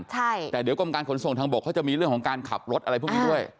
ใช่แต่เดี๋ยวกรมการขนส่งทางบกเขาจะมีเรื่องของการขับรถอะไรพวกนี้ด้วย